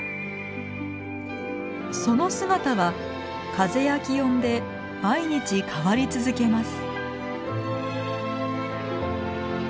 その姿は風や気温で毎日変わり続けます。